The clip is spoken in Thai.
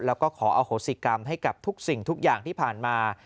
แล้วก็ขออโหสิกรรมให้กับทุกสิ่งทุกอย่างที่ผ่านมา